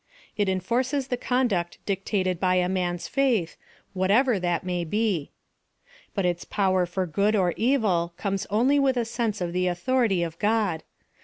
It enforces the conduct dictated by a man's faith, whatever that may be. Bat its power for good oi evil comes only with a sense of the authority of God.